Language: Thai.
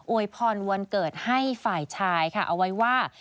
วยพรวันเกิดให้ฝ่ายชายค่ะเอาไว้ว่า